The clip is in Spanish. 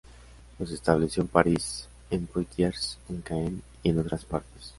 Los estableció en París, en Poitiers, en Caen y en otras partes.